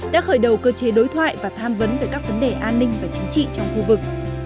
đã khởi đầu cơ chế đối thoại và tham vấn về các vấn đề an ninh và chính trị trong khu vực